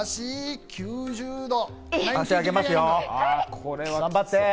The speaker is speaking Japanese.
これは頑張って。